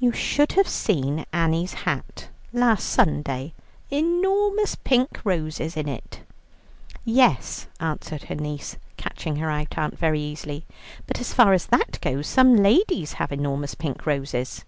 "You should have seen Annie's hat last Sunday: enormous pink roses in it." "Yes," answered her niece, catching her aunt out very easily, "but as far as that goes some ladies have enormous pink roses."